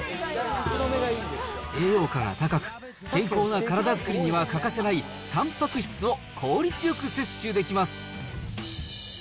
栄養価が高く、健康な体作りには欠かせないたんぱく質を効率よく摂取できます。